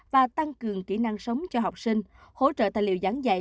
và tăng cường kỹ năng sống cho học sinh hỗ trợ tài liệu giảng dạy